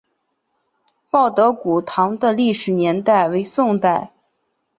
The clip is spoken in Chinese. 报德古堂的历史年代为宋代。